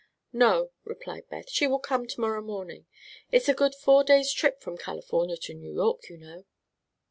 "No," replied Beth; "she will come to morrow morning. It's a good four days' trip from California to New York, you know."